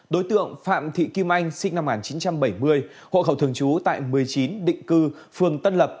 đối tượng phạm thị kim anh sinh năm một nghìn chín trăm bảy mươi hộ khẩu thường trú tại một mươi chín định cư phường tân lập